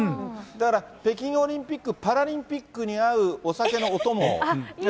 だから北京オリンピック・パラリンピックに合うお酒のお供を。